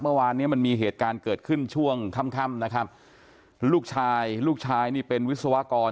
เมื่อวานมีเหตุการณ์เกิดขึ้นช่วงค่ำลูกชายเป็นวิศวกร